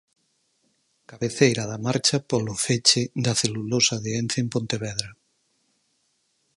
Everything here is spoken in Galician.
Cabeceira da marcha polo feche da celulosa de Ence en Pontevedra.